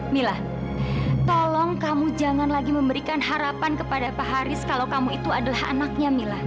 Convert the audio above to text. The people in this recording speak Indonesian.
mila tolong kamu jangan lagi memberikan harapan kepada pak haris kalau kamu itu adalah anaknya mila